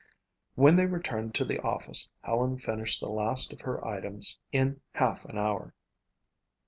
When they returned to the office Helen finished the last of her items in half an hour.